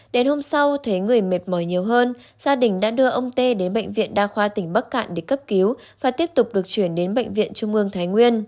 đến hôm sau thấy người mệt mỏi nhiều hơn gia đình đã đưa ông tê đến bệnh viện đa khoa tỉnh bắc cạn để cấp cứu và tiếp tục được chuyển đến bệnh viện trung ương thái nguyên